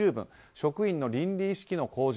職員の倫理意識の向上